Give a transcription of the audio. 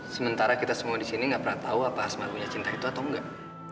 sementara kita semua disini gak pernah tahu apa asma punya cinta itu atau enggak